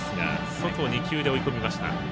外２球で追い込みました。